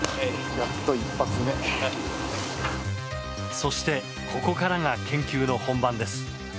そして、ここからが研究の本番です。